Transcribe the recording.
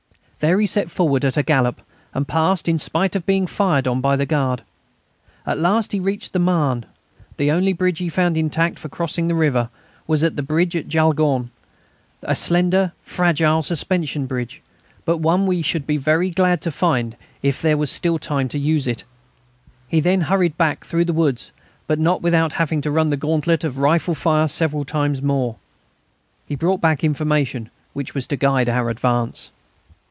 There he set forward at a gallop, and passed, in spite of being fired on by the guard. At last he reached the Marne. The only bridge he found intact for crossing the river was the bridge at Jaulgonne, a slender, fragile suspension bridge, but one that we should be very glad to find if there was still time to use it. He then hurried back through the woods, but not without having to run the gauntlet of rifle fire several times more. He brought back information which was to guide our advance.